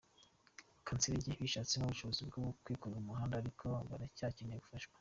Kanserege Bishatsemo ubushobozi bwo kwikorera umuhanda ariko baracyakeneye gufashwa